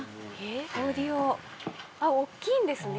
あっ大きいんですね。